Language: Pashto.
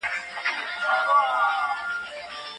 ایا په فضا کې ژوند شته؟